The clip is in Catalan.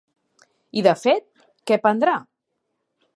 I de fet, què prendrà?